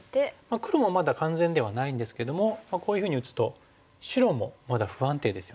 黒もまだ完全ではないんですけどもこういうふうに打つと白もまだ不安定ですよね。